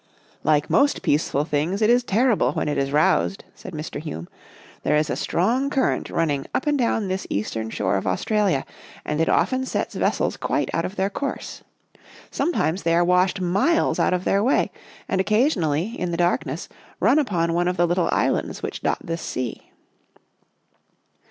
" Like most peaceful things, it is terrible when it is roused," said Mr. Hume. " There is a strong current running up and down this eastern shore of Australia and it often sets ves sels quite out of their course. Sometimes they are washed miles out of their way, and occa sionally, in the darkness, run upon one of the little islands which dot this sea."